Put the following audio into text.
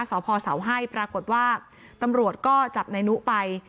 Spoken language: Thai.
สอบพ่อสาวให้ปรากฏว่าตำรวจก็จับในนุไป